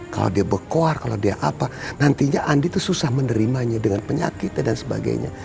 kalau dia bekuar kalau dia apa nantinya andi itu susah menerimanya dengan penyakitnya dan sebagainya